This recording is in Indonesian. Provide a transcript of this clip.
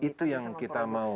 itu yang kita mau